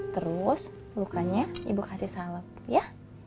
terus bukannya ibu kasih salep ya